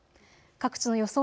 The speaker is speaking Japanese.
各地の予想